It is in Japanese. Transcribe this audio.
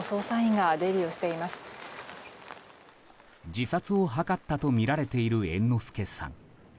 自殺を図ったとみられている猿之助さん。